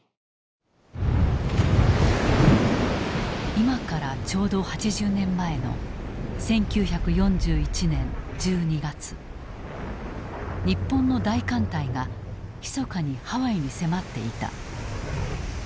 今からちょうど８０年前の日本の大艦隊がひそかにハワイに迫っていた。